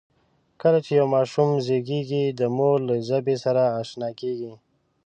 کله چې یو ماشوم زېږي، د مور له ژبې سره آشنا کېږي.